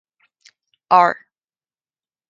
Ar.